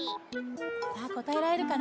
さあこたえられるかな？